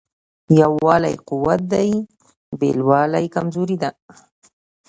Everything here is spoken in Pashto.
یووالی قوت دی بېلوالی کمزوري ده.